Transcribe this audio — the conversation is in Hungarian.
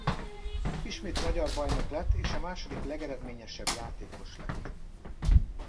Ismét magyar bajnok lett és a második legeredményesebb játékos lett.